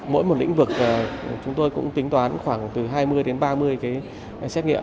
mỗi một lĩnh vực chúng tôi cũng tính toán khoảng từ hai mươi đến ba mươi cái xét nghiệm